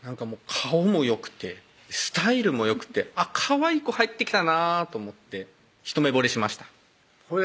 顔もよくてスタイルもよくてかわいい子入ってきたなと思って一目ぼれしましたほいで？